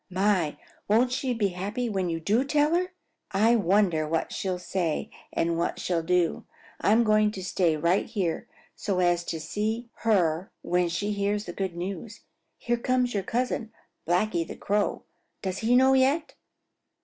My, won't she be happy when you do tell her! I wonder what she'll say and what she'll do. I'm going to stay right here so as to see her when she hears the good news. Here comes your cousin, Blacky the Crow. Does he know yet?"